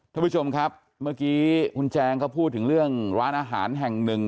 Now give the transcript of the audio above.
ท่านผู้ชมครับเมื่อกี้คุณแจงเขาพูดถึงเรื่องร้านอาหารแห่งหนึ่ง